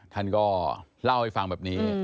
ท่านก็เล่าให้ฟังแบบนี้